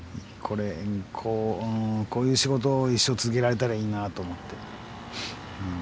こういう仕事を一生続けられたらいいなと思って。